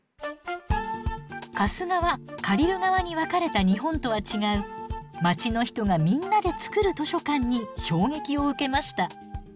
貸す側借りる側に分かれた日本とは違う街の人がみんなで作る図書館に衝撃を受けました。